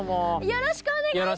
よろしくお願いします。